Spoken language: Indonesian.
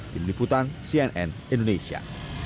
pemimputan cnn indonesia